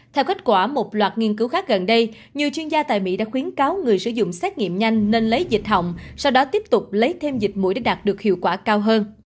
theo kết quả một loạt nghiên cứu khác gần đây nhiều chuyên gia tại mỹ đã khuyến cáo người sử dụng xét nghiệm nhanh nên lấy dịch hỏng sau đó tiếp tục lấy thêm dịch mũi để đạt được hiệu quả cao hơn